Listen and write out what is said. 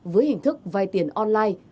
với hình thức vay tiền online